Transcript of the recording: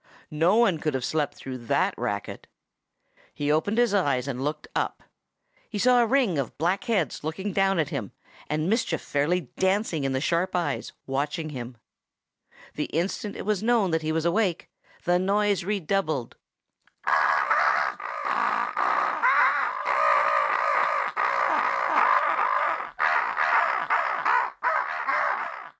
No one could have slept through that racket. He opened his eyes and looked up. He saw a ring of black heads looking down at him and mischief fairly dancing in the sharp eyes watching him. The instant it was known that he was awake, the noise redoubled.